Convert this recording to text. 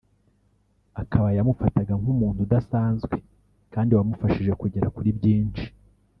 akaba yamufataga nk’umuntu udasanzwe kandi wamufashije kugera kuri byinshi